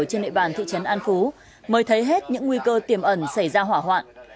trên địa bàn thị trấn an phú mới thấy hết những nguy cơ tiềm ẩn xảy ra hỏa hoạn